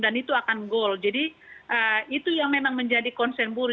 dan itu akan goal jadi itu yang memang menjadi concern buruh